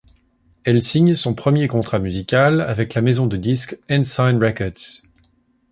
Elle signe son premier contrat musical avec la maison de disques Ensign Records.